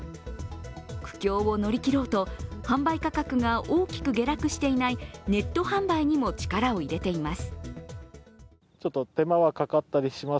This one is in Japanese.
苦境を乗り切ろうと、販売価格が大きく下落していないネット販売にも力を入れています。